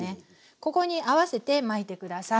ここに合わせて巻いて下さい。